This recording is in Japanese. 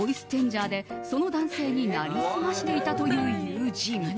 ジャーでその男性に成り済ましていたという友人。